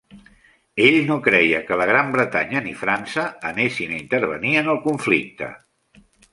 Ell no creia que la Gran Bretanya ni França anessin a intervenir en el conflicte.